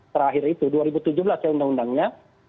terakhir itu dua ribu tujuh belas ya undang undangnya